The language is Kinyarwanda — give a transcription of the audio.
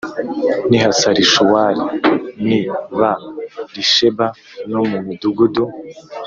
n i Hasarishuwali n i B risheba no mu midugudu